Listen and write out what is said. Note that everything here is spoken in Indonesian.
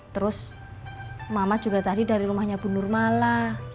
terus mama juga tadi dari rumahnya bu nurmala